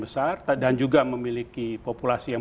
besar dan juga memiliki populasi yang